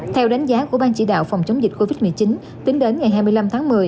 theo đánh giá của ban chỉ đạo phòng chống dịch covid một mươi chín tính đến ngày hai mươi năm tháng một mươi